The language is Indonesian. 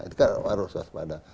itu kan harus waspada